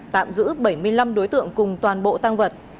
tạm giữ bảy mươi năm đối tượng cùng toàn bộ tăng vật